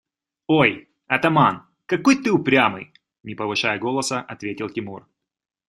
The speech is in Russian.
– Ой, атаман, какой ты упрямый, – не повышая голоса, ответил Тимур.